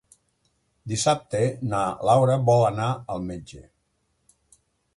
Dissabte na Laura vol anar al metge.